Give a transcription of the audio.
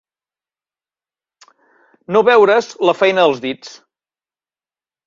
No veure's la feina als dits.